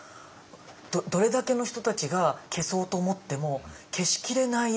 どれだけの人たちが消そうと思っても消しきれない。